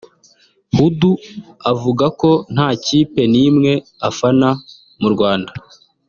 Hudu avuga ko nta kipe n’imwe afana mu Rwanda